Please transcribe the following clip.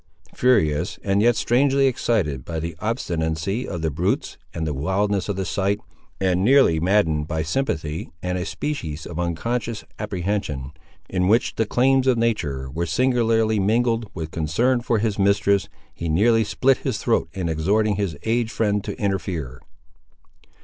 Furious, and yet strangely excited by the obstinacy of the brutes and the wildness of the sight, and nearly maddened by sympathy and a species of unconscious apprehension, in which the claims of nature were singularly mingled with concern for his mistress, he nearly split his throat in exhorting his aged friend to interfere.